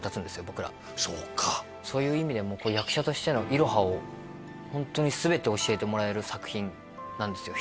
僕らそうかそういう意味でもこう役者としてのいろはをホントに全て教えてもらえる作品なんですよ